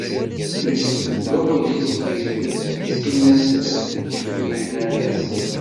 Iṭṭef deg wawal-is, mazal ittbeggin-as-d leḥnana-s.